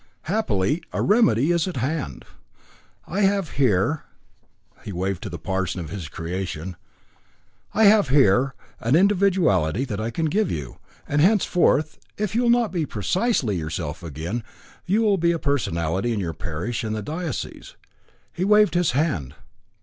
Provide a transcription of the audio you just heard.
Happily a remedy is at hand. I have here " he waved to the parson of his creation, "I have here an individuality I can give to you, and henceforth, if you will not be precisely yourself again, you will be a personality in your parish and the diocese." He waved his hand.